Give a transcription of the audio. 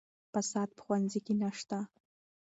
فساد په ښوونځي کې نشته.